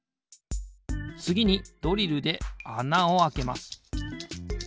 つぎにドリルであなをあけます。